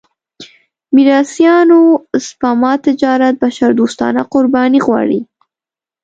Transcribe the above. میراثيانو سپما تجارت بشردوستانه قرباني غواړي.